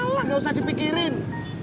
alah gak usah dipikirin